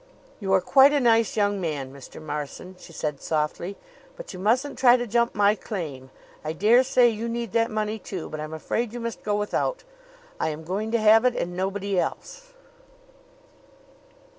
"You are quite a nice young man, Mr. Marson," she said softly; "but you mustn't try to jump my claim. I dare say you need that money too; but I'm afraid you must go without. I am going to have it and nobody else!"